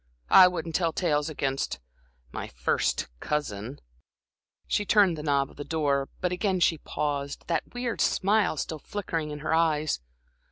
I wouldn't tell tales against my first cousin" She turned the knob of the door, but again she paused, that weird smile still flickering in her eyes.